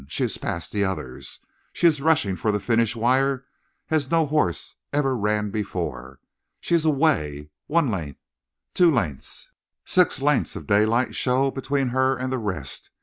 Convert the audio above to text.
She is past the others. She is rushing for the finish wire as no horse ever ran before. She is away. One length, two lengths, six lengths of daylight show between her and the rest.